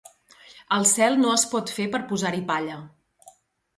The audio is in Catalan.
El cel no és fet per posar-hi palla.